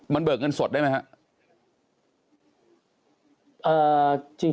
มันเบิกเงินสดได้ไหมครับ